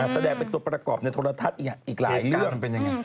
แสดงเป็นตัวประกอบในธรรมทัศน์อีกหลายเรื่อง